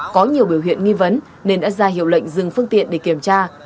có nhiều biểu hiện nghi vấn nên đã ra hiệu lệnh dừng phương tiện để kiểm tra